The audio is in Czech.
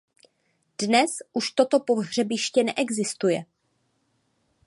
Dnes už toto pohřebiště neexistuje.